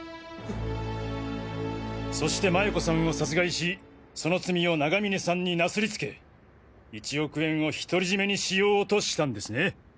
そして麻也子さんを殺害しその罪を永峰さんになすりつけ１億円を独り占めにしようとしたんですね。